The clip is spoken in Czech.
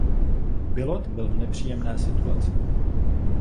Bilott byl v nepříjemné situaci.